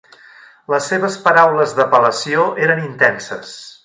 Les seves paraules d'apel·lació eren intenses.